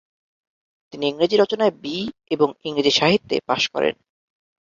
তিনি ইংরেজি রচনায় বি এবং ইংরেজি সাহিত্যে পাস করেন।